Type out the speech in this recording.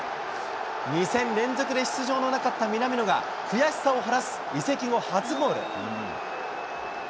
２戦連続で出場のなかった南野が、悔しさを晴らす移籍後初ゴール。